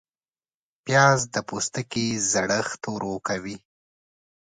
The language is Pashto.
پیاز د پوستکي زړښت ورو کوي